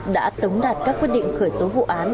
đã tống đạt các quyết định khởi tố vụ án